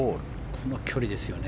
この距離ですよね。